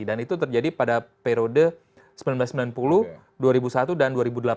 dan itu terjadi pada periode seribu sembilan ratus sembilan puluh dua ribu satu dan dua ribu delapan dua ribu sembilan